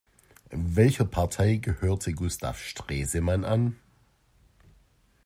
Welcher Partei gehörte Gustav Stresemann an?